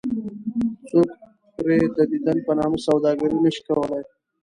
څوک پرې ددین په نامه سوداګري نه شي کولی.